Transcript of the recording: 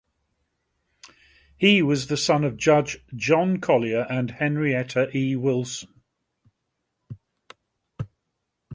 He was the son of Judge John Collier and Henrietta E. Wilson.